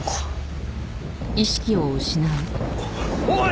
おい！